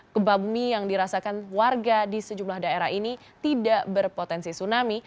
gempa bumi yang dirasakan warga di sejumlah daerah ini tidak berpotensi tsunami